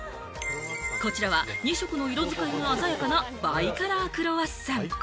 こちらは２色の色使いも鮮やかなバイカラークロワッサン。